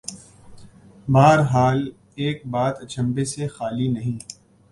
بہرحال ایک بات اچنبھے سے خالی نہیں۔